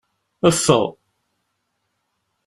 Ffeɣ!